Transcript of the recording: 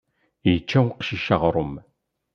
Yečča uqcic aɣrum.